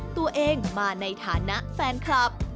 ตัวเองมาในฐานะแฟนคลับ